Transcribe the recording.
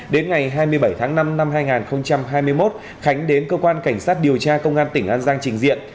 đến ngày hai mươi bảy tháng năm năm hai nghìn hai mươi một khánh đến cơ quan cảnh sát điều tra công an tỉnh an giang trình diện